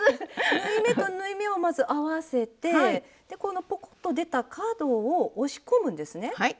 縫い目と縫い目をまず合わせてこのポコッと出た角を押し込むんですね。